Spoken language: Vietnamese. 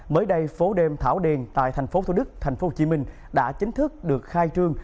mới đây phố đêm thảo điền tại tp thủ đức tp hồ chí minh đã chính thức được khai trương